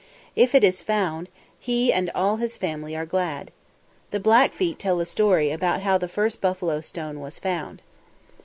If it is found, he and all his family are glad. The Blackfeet tell a story about how the first buffalo stone was found.